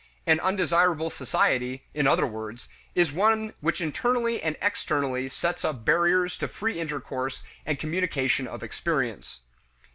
An undesirable society, in other words, is one which internally and externally sets up barriers to free intercourse and communication of experience.